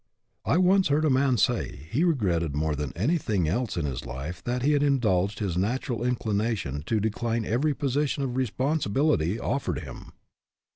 I once heard a man say he regretted more than anything else in his life that he had in dulged his natural inclination to decline every position of responsibility offered him.